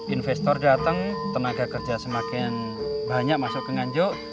investor datang tenaga kerja semakin banyak masuk ke nganjuk